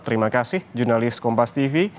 terima kasih jurnalis kompas tv